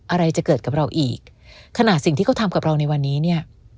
อะไรจะเกิดกับเราอีกขนาดสิ่งที่เขาทำกับเราในวันนี้เนี่ย